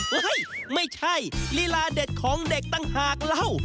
เฮ้ยไม่ใช่ลีลาเด็ดของเด็กต่างหากเล่า